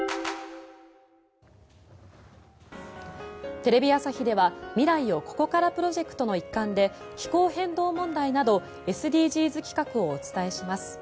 テレビ朝日では未来をここからプロジェクトの一環で気候変動問題などＳＤＧｓ企画をお伝えします。